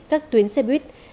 các tuyến xe buýt